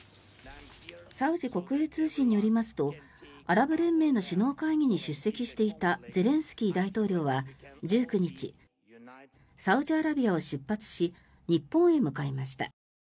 サウジ国営通信によりますとアラブ連盟の首脳会議に出席していたゼレンスキー大統領は１９日サウジアラビアを出発し日本へ向かいました。